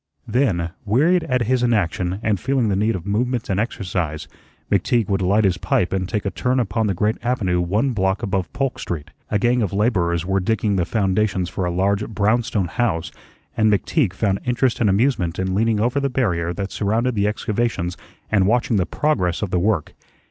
Then, wearied at his inaction and feeling the need of movement and exercise, McTeague would light his pipe and take a turn upon the great avenue one block above Polk Street. A gang of laborers were digging the foundations for a large brownstone house, and McTeague found interest and amusement in leaning over the barrier that surrounded the excavations and watching the progress of the work.